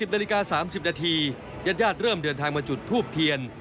นาฬิกา๓๐นาทีญาติเริ่มเดินทางมาจุดทูบเทียน